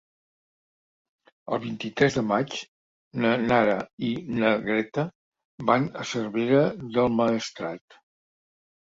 El vint-i-tres de maig na Nara i na Greta van a Cervera del Maestrat.